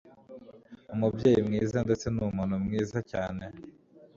umubyeyi mwiza ndetsee n'umuntu mwiza cyane.”